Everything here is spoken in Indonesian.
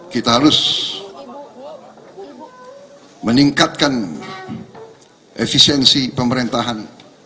kita harus meningkatkan efisiensi pemerintahan